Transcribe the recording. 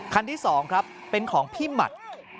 คันที่๒ครับเป็นของพี่หมัด